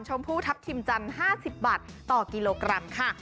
ผู้ทัพทิมจันทร์๕๐บาทต่อกิโลกรัมค่ะ